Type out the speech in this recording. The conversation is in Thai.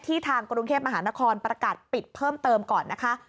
ทางกรุงเทพมหานครประกาศปิดเพิ่มเติมก่อนนะคะ